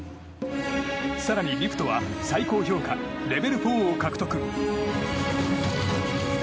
更にリフトは最高評価レベル４を獲得。